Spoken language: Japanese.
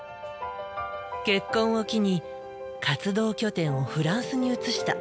結婚を機に活動拠点をフランスに移した。